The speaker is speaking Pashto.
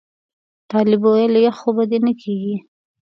طالب ویل یخ خو به دې نه کېږي.